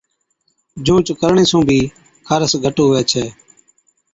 جھُونچ ڪرڻي سُون بِي خارس گھٽ هُوَي ڇَي۔